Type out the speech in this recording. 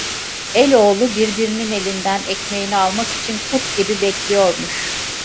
Eloğlu birbirinin elinden ekmeğini almak için kurt gibi bekliyormuş.